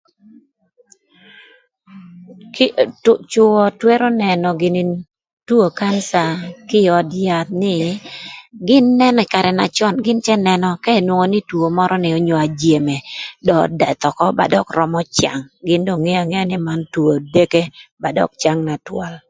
Cwö twërö nënö gïnï two kanca kï ï öd yath nï gïn nënö ï karë na cön gïn cë nënö ka two mörö ni onyo ajeme dong ödëth ökö ba dök römö cang gïn dong ngeo angea nï man two odeke ba dök cang na twal.